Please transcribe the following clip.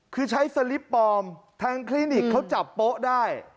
คือใช้สลิปปลอมทางคลินิกเขาจับโป๊ะได้